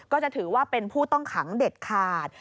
ก็จะถือว่าเป็นผู้ต้องขังเด็ดขาด